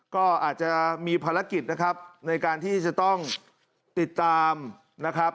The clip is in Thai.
ก็อาจจะมีภารกิจนะครับในการที่จะต้องติดตามนะครับ